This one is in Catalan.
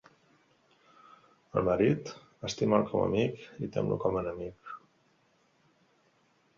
Al marit, estima'l com amic i tem-lo com enemic.